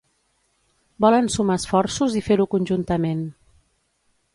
Volen sumar esforços i fer-ho conjuntament.